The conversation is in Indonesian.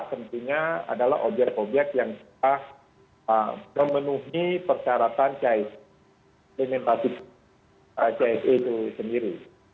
tentunya adalah objek obyek yang sudah memenuhi persyaratan cse itu sendiri